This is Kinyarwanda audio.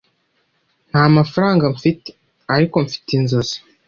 ntamafaranga mfite, ariko mfite inzozi